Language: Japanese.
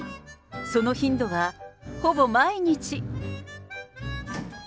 その頻度はほぼ毎日。